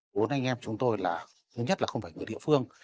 vốn anh em chúng tôi là thứ nhất là không phải người địa phương